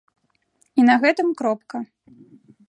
І на гэтым кропка.